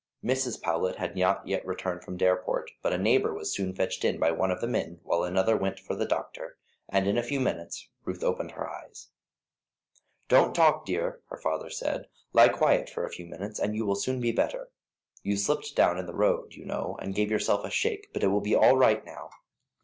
Mrs. Powlett had not yet returned from Dareport, but a neighbour was soon fetched in by one of the men while another went for the doctor, and in a few minutes Ruth opened her eyes. "Don't talk, dear," her father said, "lie quiet for a few minutes and you will soon be better; you slipped down in the road, you know, and gave yourself a shake, but it will be all right now."